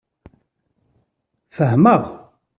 Fehmeɣ.